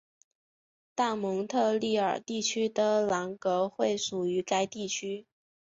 大蒙特利尔地区的朗格惠属于该地区。